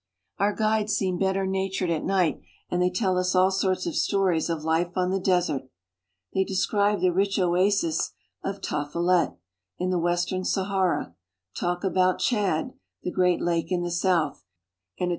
Our guides seem better natured at night, and they tell us ;11 sorts of stories of life on the desert. They describe the ich oasis of Tafilet (taf M?t') in the western Sahara, talk about Tchad (chad), the great lake in the south, and a.